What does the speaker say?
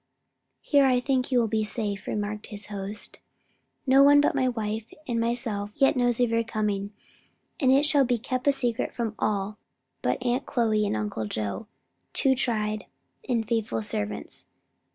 "Here I think you will be safe," remarked his host. "No one but my wife and myself yet knows of your coming, and it shall be kept secret from all but Aunt Chloe and Uncle Joe, two tried and faithful servants.